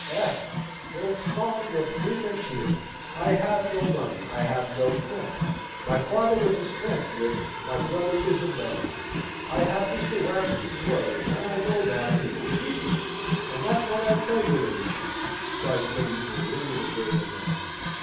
"Eh! Bon sang ne peut mentir! I have no money, I have no friends. My father was a spendthrift, my brother is a beggar. I have Mr. Warrington's word, and I know, madam, he will keep it. And that's what I tell your ladyship!" cries Lady Maria with a wave of her hand.